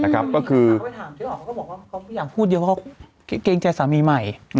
เขาก็บอกว่าเขาอยากพูดเยอะเขาก็เกรงใจสามีใหม่